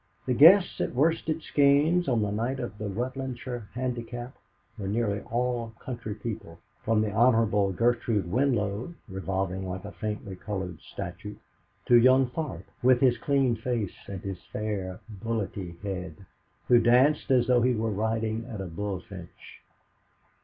The guests at Worsted Skeynes on the night of the Rutlandshire Handicap were nearly all county people, from the Hon. Gertrude Winlow, revolving like a faintly coloured statue, to young Tharp, with his clean face and his fair bullety head, who danced as though he were riding at a bullfinch.